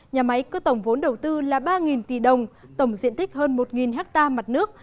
nhà máy có tổng vốn đầu tư là ba tỷ đồng tổng diện tích hơn một ha mặt nước